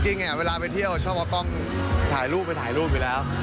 เวลาไปเที่ยวชอบเอากล้องถ่ายรูปไปถ่ายรูปอยู่แล้ว